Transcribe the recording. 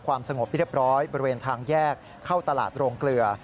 สงบที่เรียบร้อยบริเวณทางแยกเข้าตลาดโรงเกลือ